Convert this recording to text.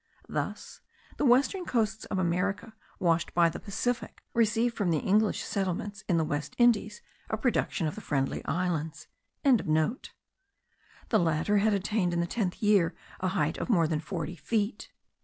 Thus the western Coasts of America, washed by the Pacific, receive from the English Settlements in the West Indies a production of the Friendly Islands.) The latter had attained in the tenth year a height of more than forty feet.